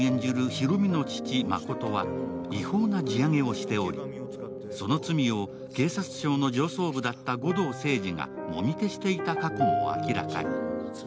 広見の父・誠は違法な地上げをしておりその罪を警察庁の上層部だった護道清二がもみ消していた過去も明らかに。